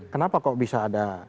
kenapa kok bisa ada